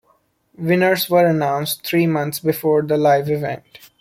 Winners were announced three months before the live event.